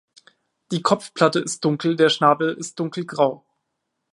Die Kopfplatte ist dunkel, der Schnabel ist dunkelgrau.